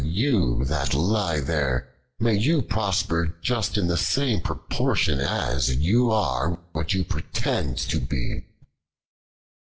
you that lie there, may you prosper just in the same proportion as you are what you pretend to be!"